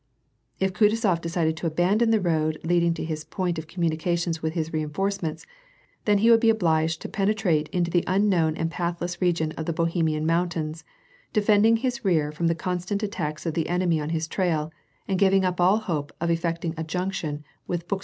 If Kutuzof decided to abandon the road leading to his point of communication with his reinforcements, then he would be oblij^ed to penetrate into the unknown and pathless region of the Bohemian mountains, defending his rear from the constant attacks of the enemy on his trail, and giving up all hope of effecting a junction with Buxhovden.